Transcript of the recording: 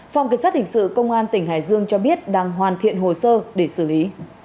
phòng cảnh sát hình sự công an tỉnh hải dương cho biết đang hoàn thiện hồ sơ để xử lý